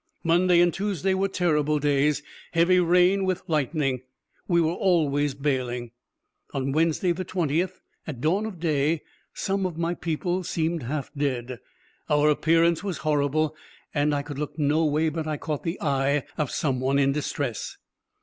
Monday and Tuesday were terrible days, heavy rain with lightning. We were always bailing. On Wednesday the 20th, at dawn of day, some of my people seemed half dead. Our appearance was horrible, and I could look no way but I caught the eye of some one in distress.